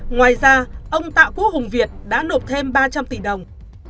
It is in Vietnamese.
ngoài ra ông tạ quốc hùng việt đã nộp thêm ba trăm linh tỷ đồng